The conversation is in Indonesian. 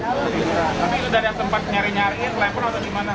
tapi itu dari tempat nyari nyari telepon atau gimana